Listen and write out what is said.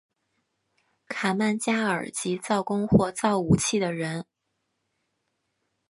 卡曼加尔即造弓或造武器的人。